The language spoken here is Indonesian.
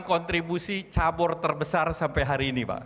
kontribusi cabur terbesar sampai hari ini pak